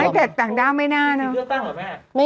ไม่แต่ต่างกล่าวไม่น่าเนอะ